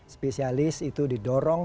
spesialis itu didorong